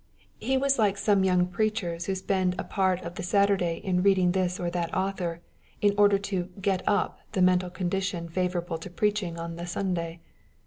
He was like some young preachers who spend a part of the Saturday in reading this or that author, in order to get up the mental condition favorable to preaching on the Sunday.